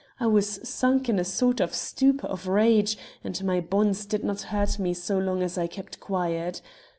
I was sunk in a sort of stupor of rage, and my bonds did not hurt me so long as I kept quiet.